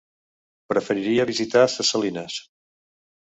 Preferiria visitar Ses Salines.